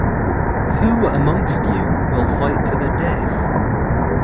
Who amongst you will fight to the death?